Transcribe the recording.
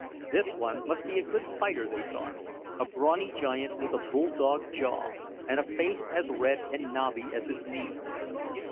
This one must be a good fighter, they thought; a brawny giant with a bulldog jaw, and a face as red and knobby as his knees.